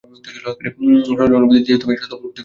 সরাসরি অনুভূতি দিয়ে এই সত্য-উপলব্ধি করাই শোধন-প্রণালী।